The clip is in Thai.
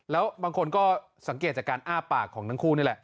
แล้วบางคนก็สังเกตจากการอ้าปากของทั้งคู่นี่แหละ